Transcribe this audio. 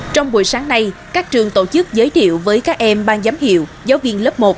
trong buổi sáng nay các trường tổ chức giới thiệu với các em ban giám hiệu giáo viên lớp một